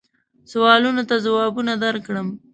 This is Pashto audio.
سوالونو ته جوابونه درکړم.